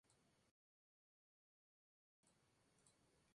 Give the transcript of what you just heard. Su protagonista es la estrella de cine indio Aishwarya Rai.